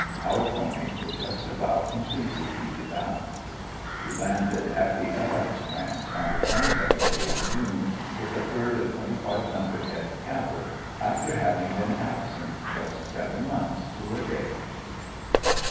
Our ponies were just about completely peetered out. We landed at the "L. X." ranch on the 22nd day of June, with the herd of twenty five hundred head of cattle, after having been absent just seven months, to a day.